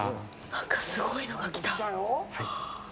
なんか、すごいのが来た。